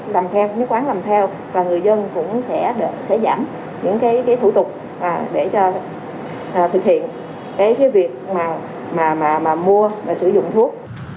những quán làm theo và người dân cũng sẽ giảm những thủ tục để thực hiện việc mua và sử dụng thuốc